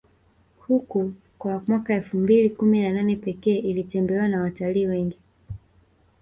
huku kwa mwaka elfu mbili kumi na nane Pekee ilitembelewa na watalii wengi